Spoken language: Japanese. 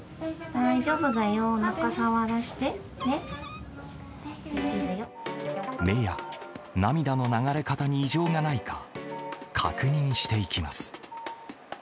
大丈夫だよ、目や涙の流れ方に異常がないか、確認していきます。